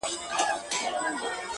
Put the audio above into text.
زما د خيال د فلسفې شاعره .